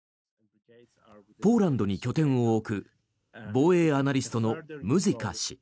ポーランドに拠点を置く防衛アナリストのムズィカ氏。